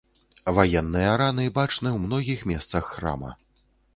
Ваенныя раны бачны ў многіх месцах храма.